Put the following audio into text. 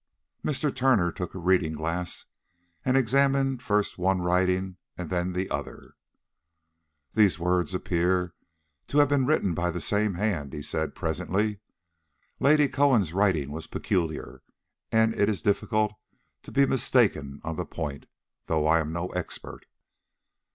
Mr. Turner took a reading glass and examined first one writing and then the other. "These words appear to have been written by the same hand," he said presently. "Lady Cohen's writing was peculiar, and it is difficult to be mistaken on the point, though I am no expert.